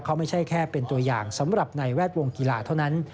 เขาไม่ใช่แค่เป็นตัวอย่างสำหรับในแวดวงกีฬาเท่านั้น